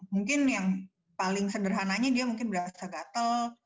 mungkin yang paling senderhananya dia berasa gatel